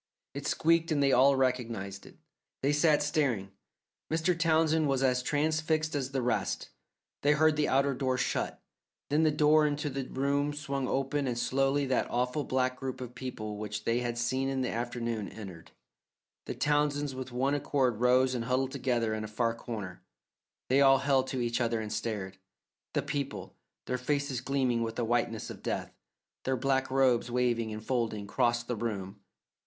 It squeaked and they all recognized it. They sat staring. Mr. Townsend was as transfixed as the rest. They heard the outer door shut, then the door into the room swung open and slowly that awful black group of people which they had seen in the afternoon entered. The Townsends with one accord rose and huddled together in a far corner; they all held to each other and stared. The people, their faces gleaming with a whiteness of death, their black robes waving and folding, crossed the room.